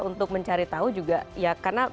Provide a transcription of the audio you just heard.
untuk mencari tahu juga ya karena